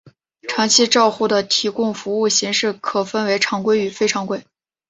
长期照护的提供服务形式可分为常规与非常规。